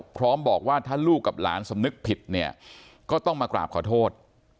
พร้อมบอกว่าถ้าลูกกับหลานสำนึกผิดเนี่ยก็ต้องมากราบขอโทษ